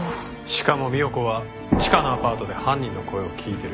しかも三代子はチカのアパートで犯人の声を聞いてる。